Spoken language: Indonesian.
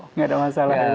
tidak ada masalah